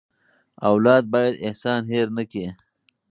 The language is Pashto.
اولاد باید احسان هېر نه کړي.